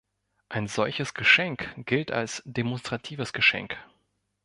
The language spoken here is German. Ein solches Geschenk gilt als demonstratives Geschenk.